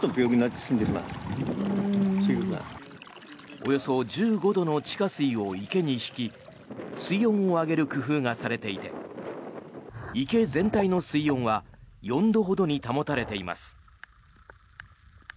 およそ１５度の地下水を池に引き水温を上げる工夫がされていて池全体の水温は４度ほどに保たれています。